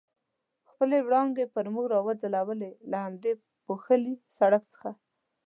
خپلې وړانګې پر موږ را وځلولې، له همدې پوښلي سړک څخه.